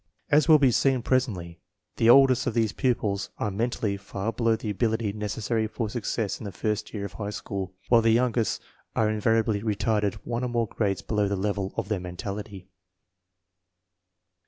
As will be seen presently, the oldest of thesWpupils are mentally far below the ability necessary for success in the first year of high school, while the youngest are invariably retarded one or more grades below the level of their mentality.